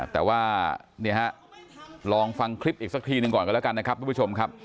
แต่ว่าเนี่ยฮะลองฟังคลิปอีกสักทีหนึ่งก่อนก็แล้วกันนะครับ